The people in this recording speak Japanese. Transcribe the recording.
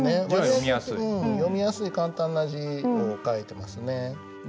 読みやすい簡単な字を書いてますね。